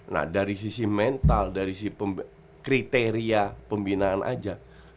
nah dari sisi mental dari kriteria pembinaan aja